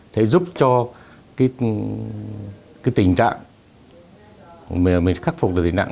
sẽ giúp cho tình trạng khắc phục tình trạng